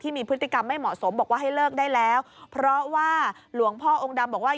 มีพฤติกรรมไม่เหมาะสมบอกว่าให้เลิกได้แล้วเพราะว่าหลวงพ่อองค์ดำบอกว่า